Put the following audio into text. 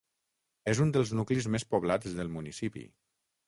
És un dels nuclis més poblats del municipi.